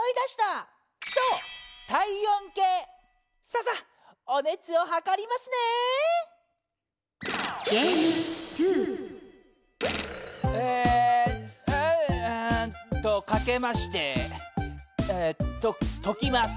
あとかけましてとときます。